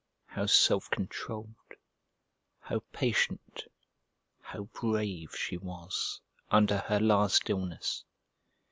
How self controlled, how patient, how brave, she was, under her last illness!